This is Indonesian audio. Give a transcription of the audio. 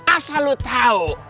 asal lu tau